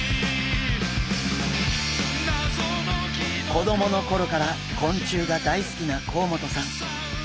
子どもの頃から昆虫が大好きな甲本さん。